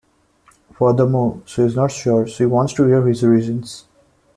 Furthermore, she is not sure she wants to hear his reasons.